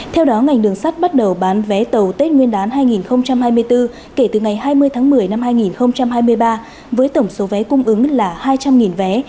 theo đó ngành đường sắt bắt đầu bán vé tàu tết nguyên đán hai nghìn hai mươi bốn kể từ ngày hai mươi tháng một mươi năm hai nghìn hai mươi ba với tổng số vé cung ứng là hai trăm linh vé